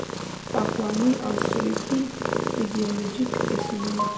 اخواني او سلفي ایدیالوژیک اسلام.